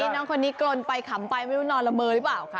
น้องคนนี้กลนไปขำไปไม่รู้นอนละเมอหรือเปล่าค่ะ